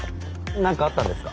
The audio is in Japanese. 何かあったんですか？